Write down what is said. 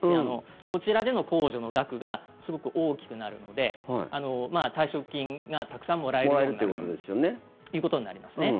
こちらでの控除の額がすごく大きくなるので退職金がたくさんもらえるということになりますね。